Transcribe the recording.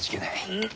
うん。